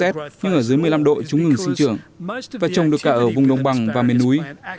măng tây có khả năng chịu được z nhưng ở dưới một mươi năm độ chúng ngừng sinh trưởng và trồng được cả ở vùng đông bằng và miền núi